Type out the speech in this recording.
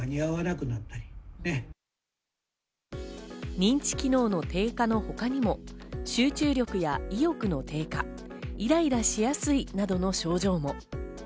認知機能の低下のほかにも、集中力や意欲の低下、イライラしやすいなどの症状も。